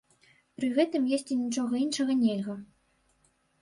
Пры гэтым есці нічога іншага нельга.